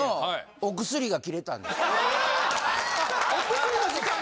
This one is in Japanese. お薬の時間が？